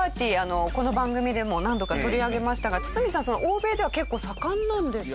この番組でも何度か取り上げましたが堤さん欧米では結構盛んなんですか？